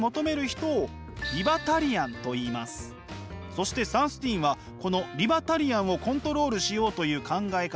そしてサンスティーンはこのリバタリアンをコントロールしようという考え方